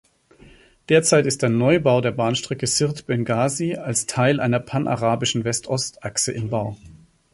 Derzeit ist ein Neubau der Bahnstrecke Sirt–Bengasi als Teil einer panarabischen West-Ost-Achse im Bau.